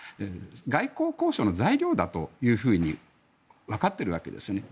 外交交渉の材料だというふうにわかっているわけですよね。